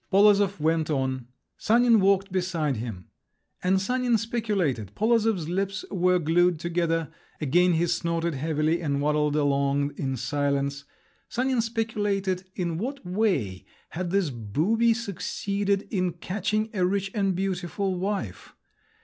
Polozov went on. Sanin walked beside him. And Sanin speculated—Polozov's lips were glued together, again he snorted heavily, and waddled along in silence—Sanin speculated in what way had this booby succeeded in catching a rich and beautiful wife.